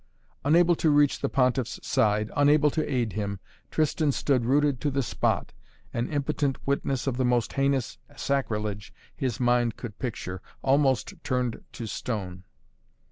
Unable to reach the Pontiff's side, unable to aid him, Tristan stood rooted to the spot, an impotent witness of the most heinous sacrilege his mind could picture, almost turned to stone.